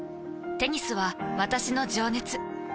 テニスは私の情熱。